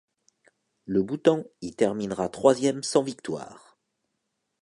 Le Bhoutan y terminera troisième sans victoire.